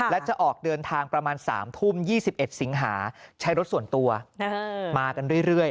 และจะออกเดินทางประมาณ๓ทุ่ม๒๑สิงหาใช้รถส่วนตัวมากันเรื่อย